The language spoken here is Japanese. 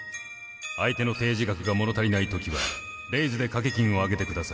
相手の提示額が物足りないときはレイズで賭け金を上げてください。